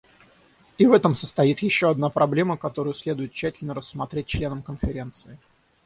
И в этом состоит еще одна проблема, которую следует тщательно рассмотреть членам Конференции.